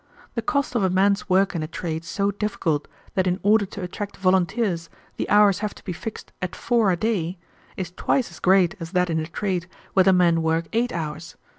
The cost of a man's work in a trade so difficult that in order to attract volunteers the hours have to be fixed at four a day is twice as great as that in a trade where the men work eight hours.